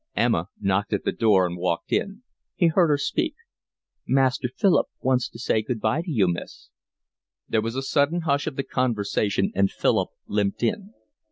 Emma knocked at the door and walked in. He heard her speak. "Master Philip wants to say good bye to you, miss." There was a sudden hush of the conversation, and Philip limped in.